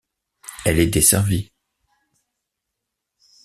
Elle est desservie.